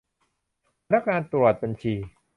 พนักงานตรวจบัญชี